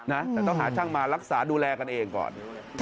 แต่ต้องหาช่างมารักษาดูแลกันเองก่อน